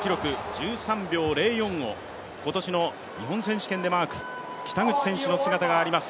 １３秒０４を今年の日本選手権でマーク、北口選手の姿があります。